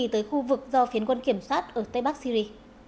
tới khu vực do phiến quân kiểm soát ở tây bắc syri